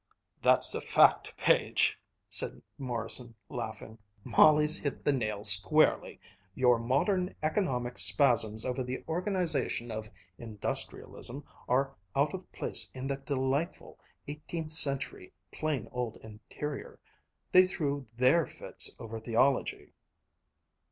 "That's a fact, Page," said Morrison, laughing. "Molly's hit the nail squarely. Your modern, economic spasms over the organization of industrialism are out of place in that delightful, eighteenth century, plain old interior. They threw their fits over theology!"